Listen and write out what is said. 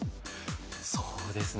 そうですね